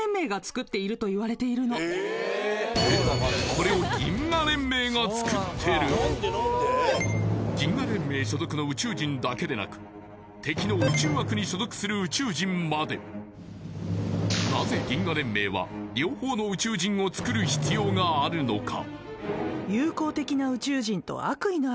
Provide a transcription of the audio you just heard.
これを銀河連盟所属の宇宙人だけでなく敵の宇宙悪に所属する宇宙人までなぜ銀河連盟は両方の宇宙人を作る必要があるのか？